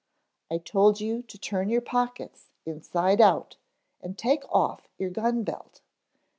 "I told you to turn your pockets inside out, and take off your gun belt.